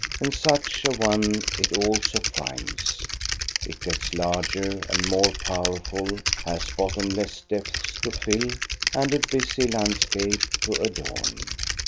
And such a one it also finds ; it gets larger and more powerful, has bottomless depths to fill, and a busy landscape to adorn.